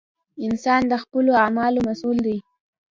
• انسان د خپلو اعمالو مسؤل دی.